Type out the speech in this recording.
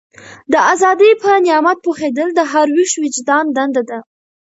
د ازادۍ په نعمت پوهېدل د هر ویښ وجدان دنده ده.